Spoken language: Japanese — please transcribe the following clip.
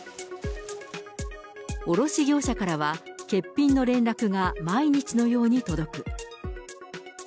卸業者からは欠品の連絡が毎日のように届く。